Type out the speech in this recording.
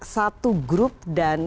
satu grup dan